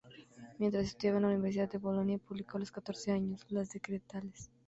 Mientras estudiaba en la Universidad de Bolonia publicó, a los catorce años, "Las decretales".